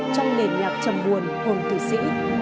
trong nền nhạc trầm buồn hồng thủy sĩ